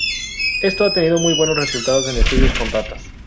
Esto ha tenido muy buenos resultados en estudios con ratas.